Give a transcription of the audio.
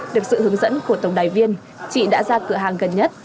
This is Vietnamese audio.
được sự hướng dẫn của tổng đài viên chị đã ra cửa hàng gần nhất